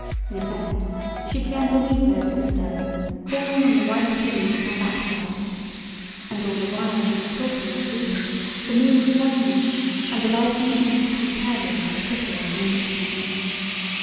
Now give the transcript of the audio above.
With that she began to weep over the stone, calling on the White King to come back to her. And all the while she was talking and weeping the moon was waning and the light in the East grew pearlier and prettier minute by minute.